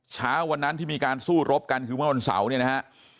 เช้าวันนั้นที่มีการสู้รบกันคือเมื่อวันเสาร์เนี่ยนะฮะ